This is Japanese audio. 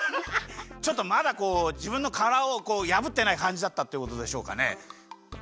ちょっとまだこうじぶんのからをやぶってないかんじだったってことでしょうかね？